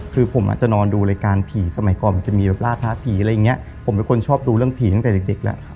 คือผมอาจจะนอนดูรายการผีสมัยก่อนมันจะมีแบบล่าท้าผีอะไรอย่างเงี้ยผมเป็นคนชอบดูเรื่องผีตั้งแต่เด็กแล้ว